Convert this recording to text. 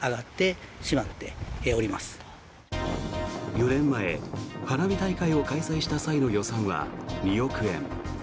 ４年前、花火大会を開催した際の予算は２億円。